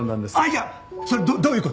いやそれどういう事？